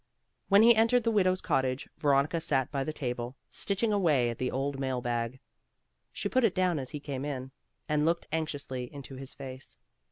When he entered the widow's cottage, Veronica sat by the table, stitching away at the old mail bag. She put it down as he came in, and looked up anxiously into his face.